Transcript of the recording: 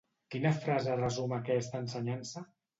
Quina frase resum aquesta ensenyança?